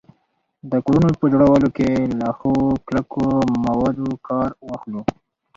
د کورونو په جوړولو کي له ښو کلکو موادو کار واخلو